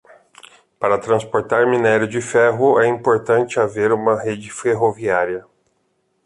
Para transportar mínério de ferro é importante haver uma rede ferroviária